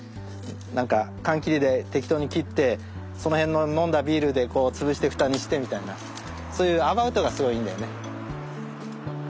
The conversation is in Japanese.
なんか缶切りで適当に切ってその辺の飲んだビールでこう潰して蓋にしてみたいなそういうアバウトがすごいいいんだよね。